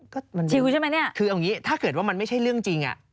ก็มันคือเอาอย่างนี้ถ้าเกิดว่ามันไม่ใช่เรื่องจริงอ่ะ